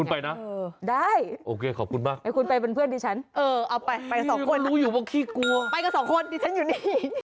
คุณไปนะได้ให้คุณไปเป็นเพื่อนดิฉันไปกับสองคนไปกับสองคนดิฉันอยู่นี่